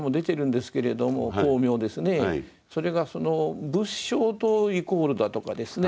それがその仏性とイコールだとかですね